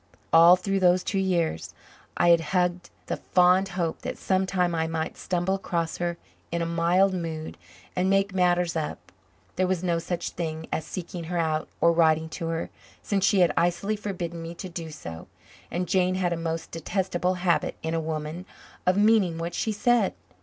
All through those two years I had hugged the fond hope that sometime I might stumble across her in a mild mood and make matters up. There was no such thing as seeking her out or writing to her, since she had icily forbidden me to do so, and Jane had a most detestable habit in a woman of meaning what she said.